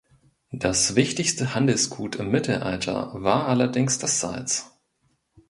Das wichtigste Handelsgut im Mittelalter war allerdings das Salz.